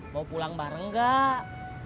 mau pulang bareng gak